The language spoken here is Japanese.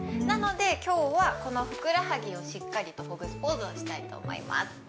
なので今日はこのふくらはぎをしっかりほぐすポーズをしたいと思います。